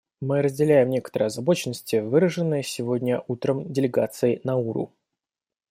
Мы разделяем некоторые озабоченности, выраженные сегодня утром делегаций Науру.